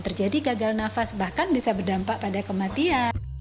terjadi gagal nafas bahkan bisa berdampak pada kematian